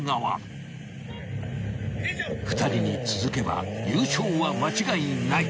［２人に続けば優勝は間違いない］